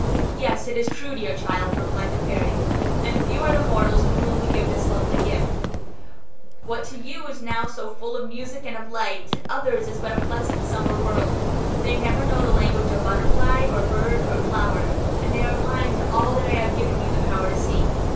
"Yes, it is true, dear child," replied the Fairy, "and few are the mortals to whom we give this lovely gift; what to you is now so full of music and of light, to others is but a pleasant summer world; they never know the language of butterfly or bird or flower, and they are blind to all that I have given you the power to see.